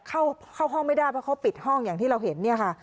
เข้าห้องไม่ได้เพราะเขาปิดห้องอย่างที่เราเห็นเนี่ยค่ะ